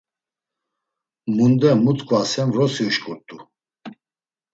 Munde mu t̆ǩvasen, vrosi uşǩurt̆u.